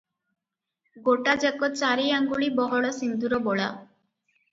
ଗୋଟାଯାକ ଚାରିଆଙ୍ଗୁଳି ବହଳ ସିନ୍ଦୂରବୋଳା ।